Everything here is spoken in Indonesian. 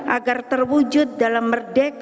agar terwujud dalam perjalanan kita